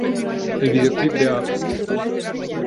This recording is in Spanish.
El vídeo clip de "Up!